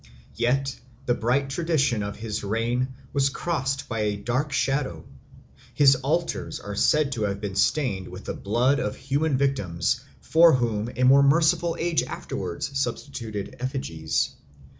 Yet the bright tradition of his reign was crossed by a dark shadow: his altars are said to have been stained with the blood of human victims, for whom a more merciful age afterwards substituted effigies.